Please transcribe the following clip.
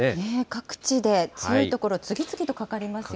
各地で強い所、次々とかかりますよね。